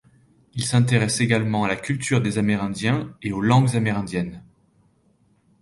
Il s'intéresse également à la culture des Amérindiens et aux langues amérindiennes.